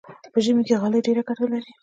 په ژمي کې غالۍ ډېره ګټه لري.